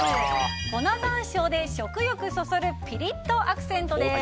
粉山椒で食欲そそるピリッとアクセントです。